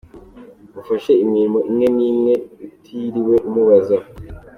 Mufashe imirimo imwe n’imwe utiriwe umubaza.